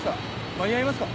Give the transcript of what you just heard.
間に合いますか？